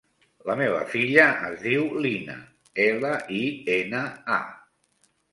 La meva filla es diu Lina: ela, i, ena, a.